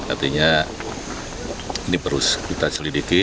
artinya ini terus kita selidiki